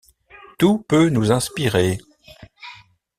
Tout peut nous inspirer.